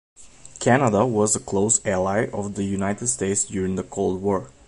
Canada was a close ally of the United States during the Cold War.